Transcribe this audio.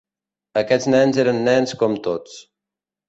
Aquests nens eren nens com tots.